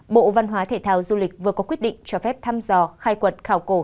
bộ văn hóa thể thao du lịch vừa có quyết định cho phép thăm dò khai quật khảo cổ